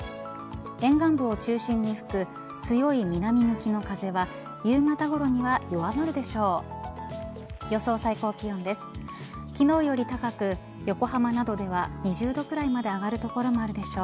沿岸部を中心に吹く強い南向きの風は夕方ごろには弱まるでしょう。